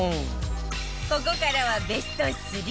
ここからはベスト３